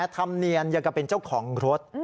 ธรรมเนียนอย่างกับเป็นเจ้าของรถ